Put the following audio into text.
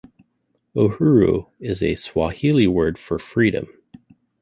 'Uhuru' is a Swahili word for "freedom".